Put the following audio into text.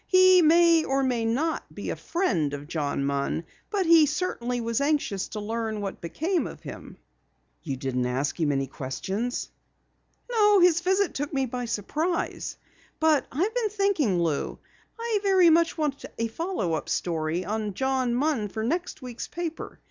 He may or may not be a friend of John Munn, but he certainly was anxious to learn what became of him." "You didn't ask him any questions?" "No, his visit took me by surprise. But I've been thinking, Lou. I very much want a follow up story on John Munn for next week's paper.